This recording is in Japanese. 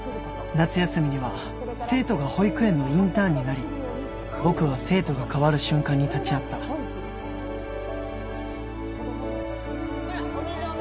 夏休みには生徒が保育園のインターンになり僕は生徒が変わる瞬間に立ち会ったほらお水お水。